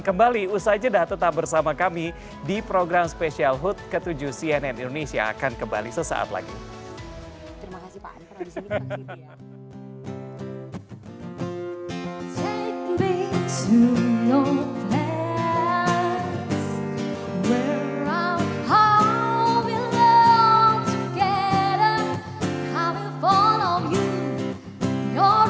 pemacat di tanah tersebut kemudian dicabut dan menutup benda diduga mortir tersebut menggunakan ban bekas